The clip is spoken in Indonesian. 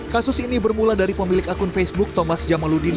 kasus ini bermula dari pemilik akun facebook thomas jamaludin